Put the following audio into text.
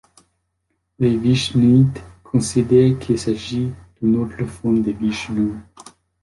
Les vishnouïtes considèrent qu'il s'agit d'une autre forme de Vishnou.